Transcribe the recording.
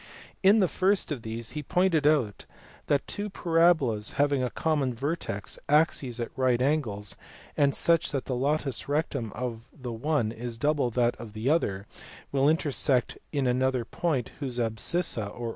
In the first of these, he pointed out that two parabolas having a common vertex, axes at right angles, and such that the latus rectum of the one is double that of the other will intersect in another point whose abscissa (or MENAECHMUS. ARISTAEUS. THEAETETUS.